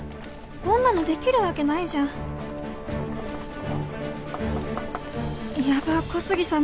こんなのできるわけないじゃんヤバ小杉さん